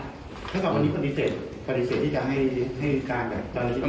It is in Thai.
ถ้าวันนี้ปฏิเสธปฏิเสธที่จะให้การจริง